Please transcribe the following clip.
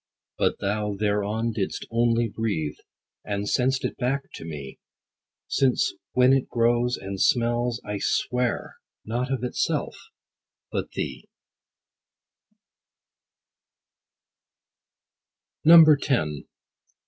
But thou thereon didst only breathe, And sent'st it back to me : Since when it grows, and smells, I swear, 15 Not of itself, but thee.